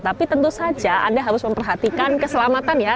tapi tentu saja anda harus memperhatikan keselamatan ya